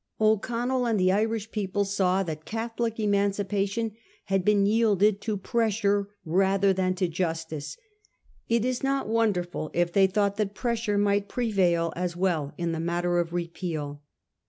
O'Connell and the 282 A HISTORY OF OTJR OWN TIMES. ca. xn, Irish people saw that Catholic Emancipation had been yielded to pressure rather than to justice; it is not wonderful if they thought that pressure might prevail as well in the matter of Repeal.